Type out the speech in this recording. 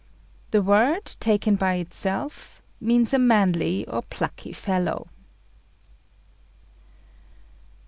The word, taken by itself, means a manly or plucky fellow.